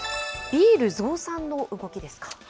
ビール増産の動きですか。